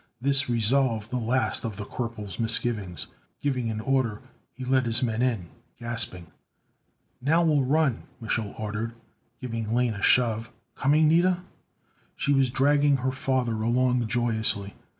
This resolved the last of the corporal's misgivings. Giving an order, he led his men in, gasping. "Now we'll run!" Mich'l ordered, giving Lane a shove. "Coming, Nida?" She was dragging her father along joyously.